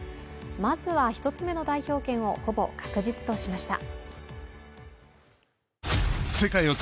まずは１つ目の代表権をほぼ確実としました。